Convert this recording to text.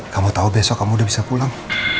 kamu tahu besok kamu udah bisa pulang